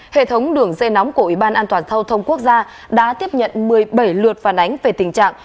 hệ thống đường dây nóng của ủy ban an toàn giao thông quốc gia đã tiếp nhận một mươi bảy lượt phản ánh về tình trạng